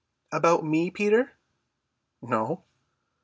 "About me, Peter?" "No."